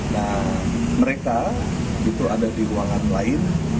nah mereka itu ada di ruangan lain